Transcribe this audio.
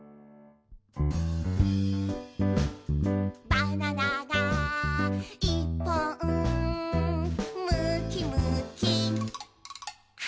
「バナナがいっぽん」「むきむきはんぶんこ！」